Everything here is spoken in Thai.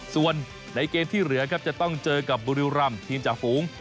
ส่วนในเกมที่เหลือครับจะต้องเจอกับบุรีรำทีมจ่าฝูง